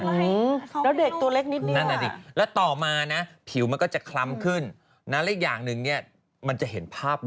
แล้วเด็กตัวเล็กนิดนิดนี่และต่อมาผิวมันก็จะคล้ำขึ้นอีกอย่างนึงมันจะเห็นภาพร้อน